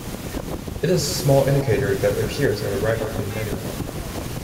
It is a small indicator that appears at the right of the menu bar.